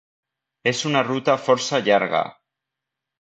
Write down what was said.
És una ruta força llarga.